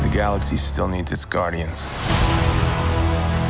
galaksi masih butuh pembantuannya